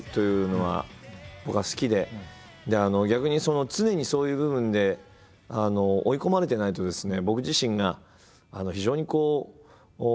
でも逆に常にそういう部分で追い込まれてないとですね